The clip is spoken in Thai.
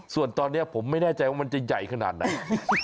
ส่วนตอนนี้ผมไม่แน่ใจว่ามันจะใหญ่ขนาดไหน